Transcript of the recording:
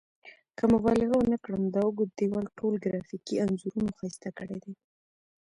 که مبالغه ونه کړم دا اوږد دیوال ټول ګرافیکي انځورونو ښایسته کړی دی.